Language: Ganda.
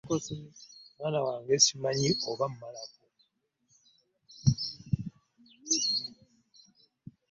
Mwana wange ssimanyi oba mmalako.